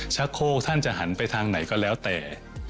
โคกท่านจะหันไปทางไหนก็แล้วแต่